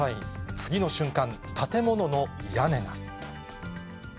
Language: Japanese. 次の瞬間、建物の屋根が。